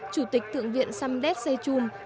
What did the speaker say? chủ tịch thượng viện samdet sechum